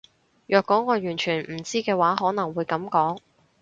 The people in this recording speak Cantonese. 若果我完全唔知嘅話可能會噉講